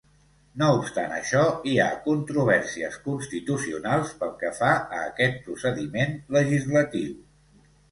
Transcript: No obstant això, hi ha controvèrsies constitucionals pel que fa a aquest procediment legislatiu.